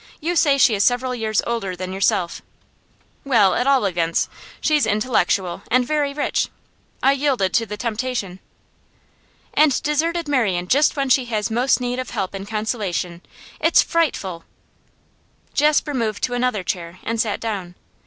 'You say she is several years older than yourself.' 'Well, at all events, she's intellectual, and very rich. I yielded to the temptation.' 'And deserted Marian just when she has most need of help and consolation? It's frightful!' Jasper moved to another chair and sat down.